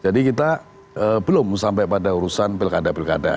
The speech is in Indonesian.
jadi kita belum sampai pada urusan pilkada pilkada